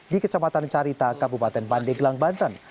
di kecamatan carita kabupaten pandeglang banten